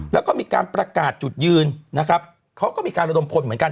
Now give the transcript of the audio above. แล้วก็มีการประกาศจุดยืนนะครับเขาก็มีการระดมพลเหมือนกัน